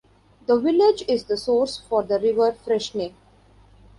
The village is the source for the River Freshney.